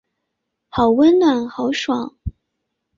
好温暖好爽